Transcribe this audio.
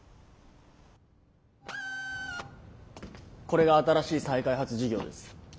これが新しい再開発事業です。